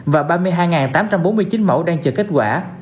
và ba mươi hai tám trăm bốn mươi chín mẫu đang chờ kết quả